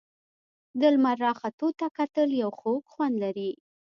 د لمر راختو ته کتل یو خوږ خوند لري.